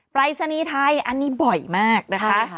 ปรายศนีย์ไทยอันนี้บ่อยมากนะคะ